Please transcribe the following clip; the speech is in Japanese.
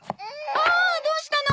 ああどうしたの？